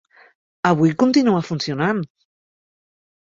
Avui continua funcionant.